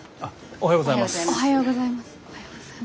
おはようございます。